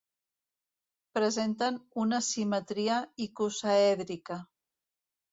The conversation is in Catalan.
Presenten una simetria icosaèdrica.